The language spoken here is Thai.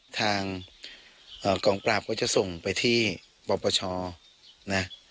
ทางเอ่อกล่องปราบก็จะส่งไปที่ปรปชนะ